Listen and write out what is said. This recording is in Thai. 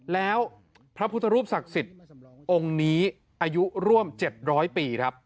แล้วพระพุทธรูปศักดิ์สิทธิ์องค์นี้อายุร่วม๗๐๐ปีครับ